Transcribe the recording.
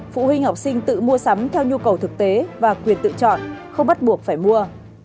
phụ huynh học sinh tự mua sắm theo nhu cầu thực tế và quyền tự chọn không bắt buộc phải mua